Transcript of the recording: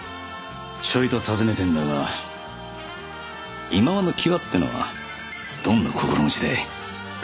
ちょいと尋ねてぇんだがいまわの際ってのはどんな心持ちだい？